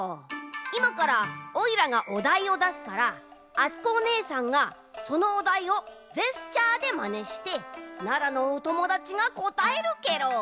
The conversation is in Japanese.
いまからオイラがおだいをだすからあつこおねえさんがそのおだいをジェスチャーでまねして奈良のおともだちがこたえるケロ。